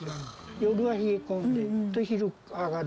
夜は冷え込んで、昼は上がる。